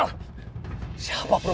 danekatu gunakan hdiku